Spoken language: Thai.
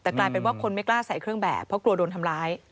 แต่กลายเป็นว่าคนไม่กล้าใส่เครื่องแบบเพราะกลัวโดนทำร้าย